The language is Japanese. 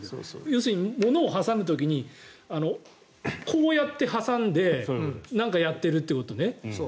要するに物を挟む時にこうやって挟んでなんかやってるってことね？